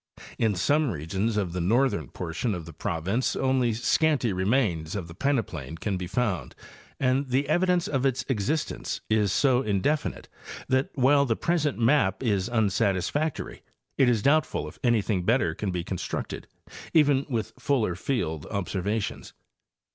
In some regions in the northern portion of the province only scanty re mains of the peneplain can be found, and the evidence of its existence is so indefinite that while the present map is unsatis factory it is doubtful if anything better can be constructed even with fuller field observations.